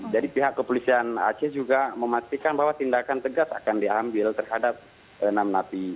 jadi pihak kepolisian aceh juga memastikan bahwa tindakan tegas akan diambil terhadap enam napi